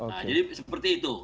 nah jadi seperti itu